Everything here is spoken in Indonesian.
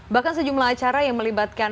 bahkan sejumlah acara yang melibatkan